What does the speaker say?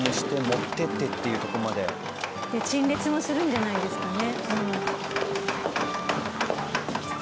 陳列もするんじゃないですかね。